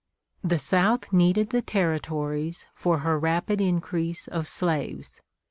The South needed the Territories for her rapid increase of slaves.